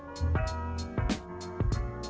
mereka juga menanggap pertengahan